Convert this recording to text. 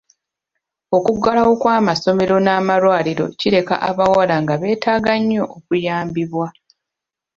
Okuggalawo kw'amasomero n'amalwaliro kireka abawala nga beetaaga nnyo okuyambibwa.